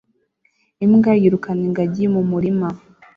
Imbwa yirukana ingagi mu murima